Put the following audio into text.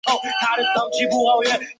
其后属于李茂贞。